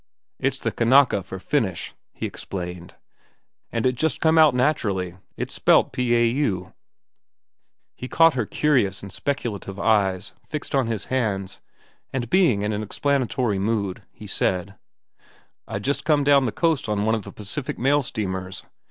"It's the Kanaka for 'finish,'" he explained, "and it just come out naturally. It's spelt p a u." He caught her curious and speculative eyes fixed on his hands, and, being in explanatory mood, he said: "I just come down the Coast on one of the Pacific mail steamers.